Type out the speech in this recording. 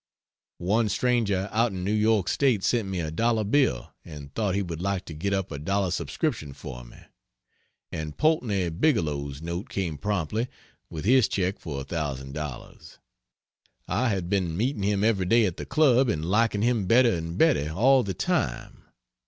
One stranger out in New York State sent me a dollar bill and thought he would like to get up a dollar subscription for me. And Poultney Bigelow's note came promptly, with his check for $1,000. I had been meeting him every day at the Club and liking him better and better all the time.